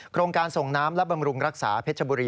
โครงการส่งน้ำและบำรุงรักษาเพชรบุรี